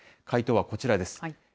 回答はこちらです。